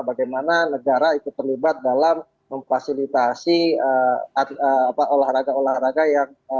bagaimana negara ikut terlibat dalam memfasilitasi olahraga olahraga yang